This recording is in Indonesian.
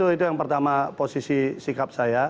itu yang pertama posisi sikap saya